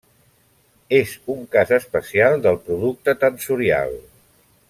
És un cas especial del producte tensorial.